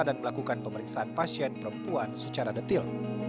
dan melakukan pemeriksaan pasien perempuan secara detil